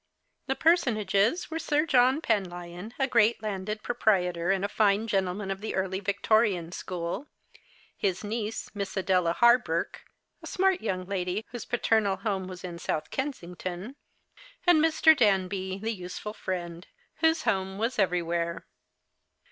The personages were Sir John Penlyon, a great landed pro prietor, and a line gentleman of the early Victorian school ; his niece, Miss Adela Hawberk, a smart yonng lady, whose paternal home was in Sonth Kensington ; and ^Ir. Danby, the useful friend, whose home was everywhere.